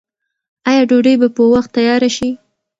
آیا ډوډۍ به په وخت تیاره شي؟